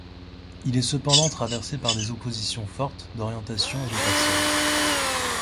Il est cependant traversé par des oppositions fortes, d'orientations et de personnes.